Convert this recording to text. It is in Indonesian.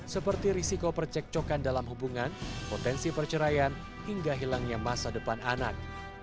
seperti risiko percekcokan dalam hubungan potensi perceraian hingga hilangnya masa depan anak